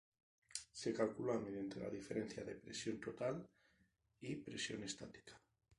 Se calcula mediante la diferencia de presión total y presión estática.